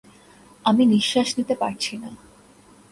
আমি নিশ্বাস নিতে পারছিনা।